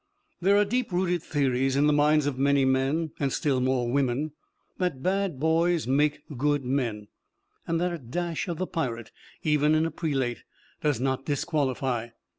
There are deep rooted theories in the minds of many men (and still more women) that bad boys make good men, and that a dash of the pirate, even in a prelate, does not disqualify.